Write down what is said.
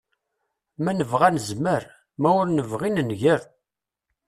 Ma nebɣa nezmer, ma ur nebɣi nenger.